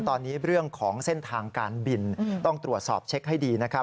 ตอนนี้เรื่องของเส้นทางการบินต้องตรวจสอบเช็คให้ดีนะครับ